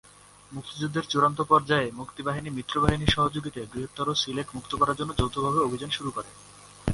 মুক্তিযুদ্ধের চূড়ান্ত পর্যায়ে মুক্তিবাহিনী মিত্রবাহিনীর সহযোগিতায় বৃহত্তর সিলেট মুক্ত করার জন্য যৌথভাবে অভিযান শুরু করে।